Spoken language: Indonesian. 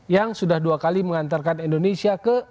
yang sudah dua kali mengantarkan indonesia ke